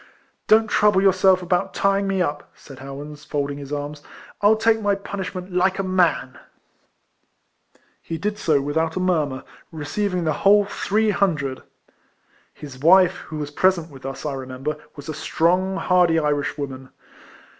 "Don't trouble yourselves about tying me up," said Howans, folding his arms; "I'll take my punishment like a man !" He did so without a murmur, receiving the whole three hundred. His wife, who was ])resent with us, I remember, was a strong, hardy Irishwoman.